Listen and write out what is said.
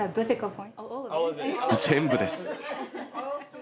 全部です。